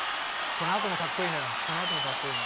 このあともかっこいいの。